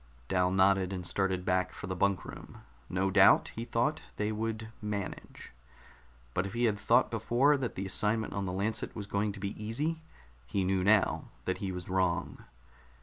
Dal nodded, and started back for the bunk room. No doubt, he thought, they would manage. But if he had thought before that the assignment on the Lancet was going to be easy, he knew now that he was wrong.